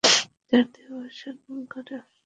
ডারবানে তার দেহাবসান ঘটে।